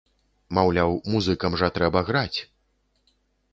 Маўляў, музыкам жа трэба граць!